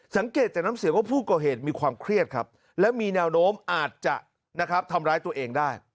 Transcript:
สังเกตจากน้ำเสียงว่าผู้ก่อเหตุมีความเครียดครับและมีแนวโน้มอาจจะนะครับทำร้ายตัวเองได้